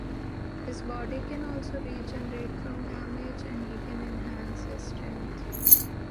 His body can also regenerate from damage, and he can enhance his strength.